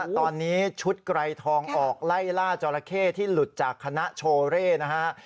ตอนนี้ชุดไกรทองออกไล่ล่าจอราเข้ที่หลุดจากคณะโชเร่นะฮะ